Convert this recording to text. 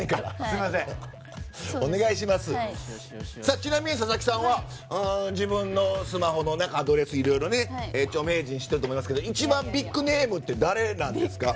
ちなみに佐々木さんは自分のスマホの中アドレスいろいろ著名人を知っていると思いますが一番ビッグネームって誰なんですか？